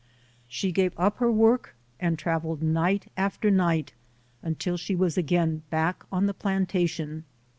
She gave up her work and traveled night after night until she was again back on the plantation.